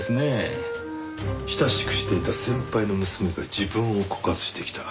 親しくしていた先輩の娘が自分を告発してきた。